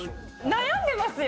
悩んでますよ